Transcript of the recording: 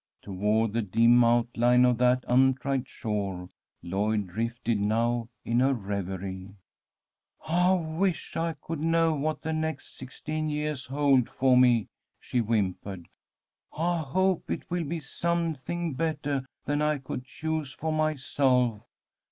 Toward the dim outline of that untried shore, Lloyd drifted now in her reverie. "I wish I could know what the next sixteen yeahs hold for me," she whimpered. "I hope it will be something bettah than I could choose for myself.